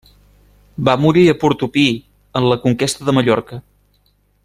Va morir a Portopí en la conquesta de Mallorca.